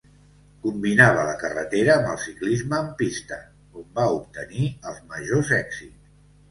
Combinava la carretera amb el ciclisme en pista, on va obtenir els majors èxits.